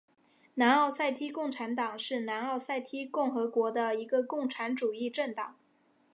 南奥塞梯共产党是南奥塞梯共和国的一个共产主义政党。